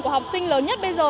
của học sinh lớn nhất bây giờ